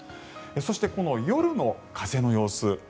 そして、この夜の風の様子